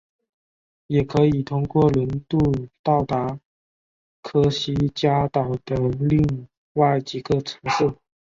也可以通过轮渡到达科西嘉岛的另外几个城市。